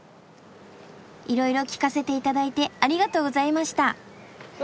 いろいろ聞かせていただいてありがとうございました。